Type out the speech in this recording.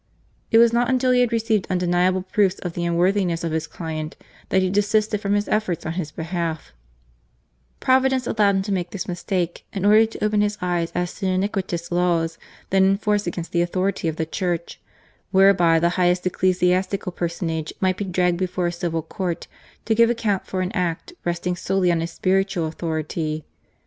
It was not till he had received undeniable proofs of the unworthiness of his client that he desisted from his efforts on his behalf* Providence allowed him to make this mistake in order to open his eyes as to the iniquitous laws then in force against the authority of the Church, where by the highest ecclesiastical personage might be dragged before a civil court to give account for an act resting solely on his spiritual authority.